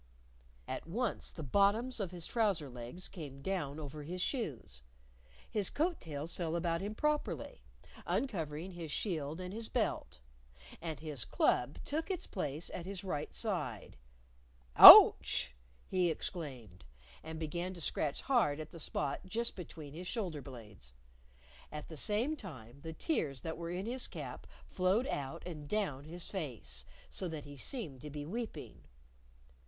At once, the bottoms of his trouser legs came down over his shoes, his coat tails fell about him properly, uncovering his shield and his belt, and his club took its place at his right side. "Ouch!" he exclaimed. And began to scratch hard at the spot just between his shoulder blades. At the same time, the tears that were in his cap flowed out and down his face. So that he seemed to be weeping.